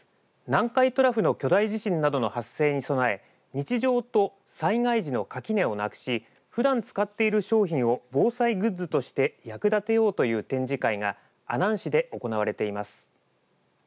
南海トラフの巨大地震などの発生に備え日常と災害時の垣根をなくしふだん使っている商品を防災グッズとして役立てようという展示会が阿南市で行われています。